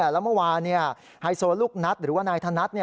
แล้วเมื่อวานายศูนย์ลูกนัทหรือว่านายธนตร์